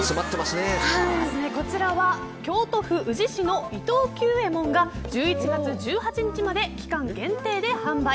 こちらは京都府宇治市の伊藤久右衛門が１１月１８日まで期間限定で販売。